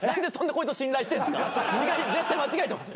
絶対間違えてます。